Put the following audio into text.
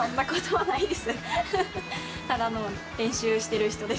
はい、練習してる人です。